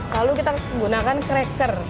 lalu kita gunakan cracker